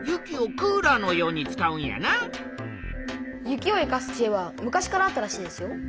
雪を生かすちえは昔からあったらしいですよ。